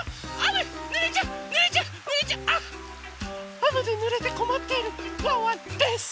あめでぬれてこまっているワンワンです。